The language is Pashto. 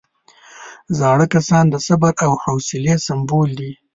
زاړه کسان د صبر او حوصلې سمبول دي